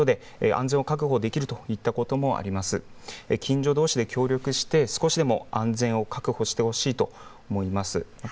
近所どうしで協力して少しでも安全を確保してほしいと思います。